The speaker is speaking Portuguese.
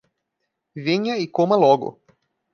Venha e coma logo